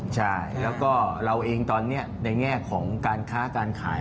ใช่แล้วก็เราเองตอนนี้ในแง่ของการค้าการขาย